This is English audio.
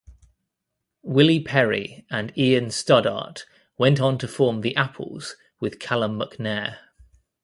Willie Perry and Ian Stoddart went on to form The Apples with Callum McNair.